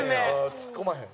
ツッコまへん。